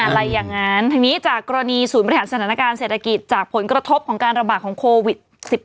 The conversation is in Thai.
อะไรอย่างนั้นทีนี้จากกรณีศูนย์บริหารสถานการณ์เศรษฐกิจจากผลกระทบของการระบาดของโควิด๑๙